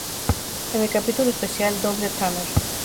En el capítulo especial "Double Tamer!